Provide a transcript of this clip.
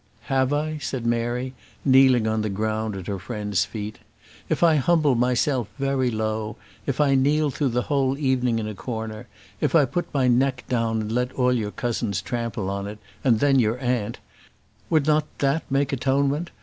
"Have I?" said Mary, kneeling down on the ground at her friend's feet. "If I humble myself very low; if I kneel through the whole evening in a corner; if I put my neck down and let all your cousins trample on it, and then your aunt, would not that make atonement?